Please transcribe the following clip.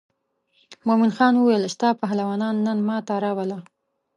مومن خان وویل ستا پهلوانان نن ما ته راوله.